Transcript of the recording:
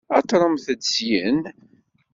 Aṭremt-d syin!